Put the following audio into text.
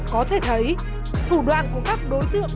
có thể thấy thủ đoàn của các đối tượng